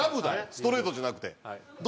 ストレートじゃなくて。